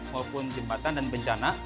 maupun jembatan dan bencana